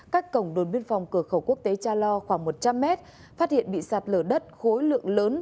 cách cổng đồn biên phòng cửa khẩu quốc tế cha lo khoảng một trăm linh mét phát hiện bị sạt lở đất khối lượng lớn